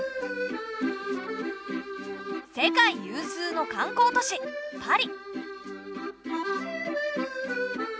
世界有数の観光都市パリ。